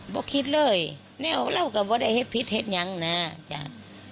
บอกคิดเลยแนวเล่ากับว่าได้เห็นผิดเห็นยังนะจ๊ะ